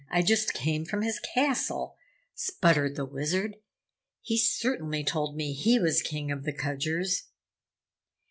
I just came from his castle!" sputtered the Wizard. "He certainly told me he was King of the Kudgers."